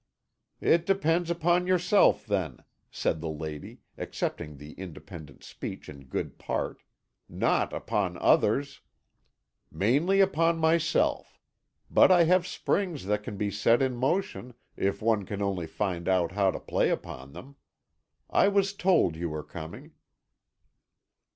"It depends upon yourself, then," said the lady, accepting the independent speech in good part, "not upon others." "Mainly upon myself; but I have springs that can be set in motion, if one can only find out how to play upon them. I was told you were coming."